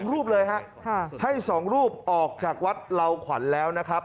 รูปเลยฮะให้๒รูปออกจากวัดเหล่าขวัญแล้วนะครับ